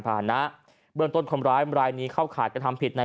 นะเบื้องต้นคนร้ายรายนี้เข้าข่ายกระทำผิดใน